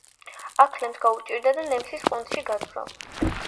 აქლემს გაუჭირდა და ნემსის ყუნწში გაძვრა